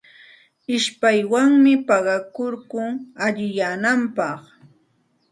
Ishpaywanmi paqakurkun allinyananpaq.